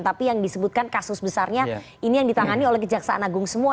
tapi yang disebutkan kasus besarnya ini yang ditangani oleh kejaksaan agung semua